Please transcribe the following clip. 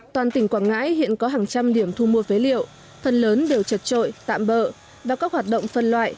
toàn tỉnh quảng ngãi hiện có hàng trăm điểm thu mua phế liệu phần lớn đều trật trội tạm bỡ và các hoạt động phân loại